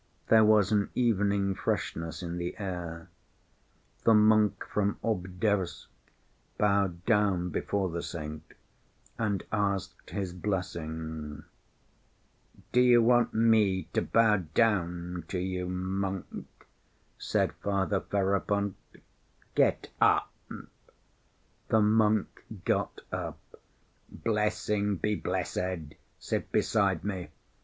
There was an evening freshness in the air. The monk from Obdorsk bowed down before the saint and asked his blessing. "Do you want me to bow down to you, monk?" said Father Ferapont. "Get up!" The monk got up. "Blessing, be blessed! Sit beside me.